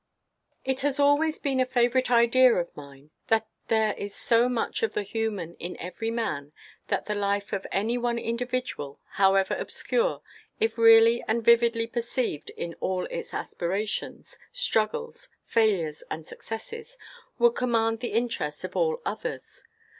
IT has always been a favorite idea of mine, that there is so much of the human in every man, that the life of any one individual, however obscure, if really and vividly perceived in all its aspirations, struggles, failures, and successes, would command the interest of all others.